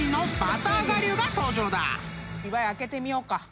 岩井開けてみようか。